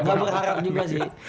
gak berharap juga sih